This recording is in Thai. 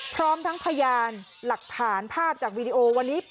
พร้อมทั้งพยานหลักฐานภาพจากวีดีโอวันนี้